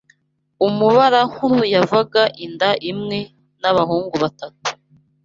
umubarankuru yavaga inda imwe nabahungu batatu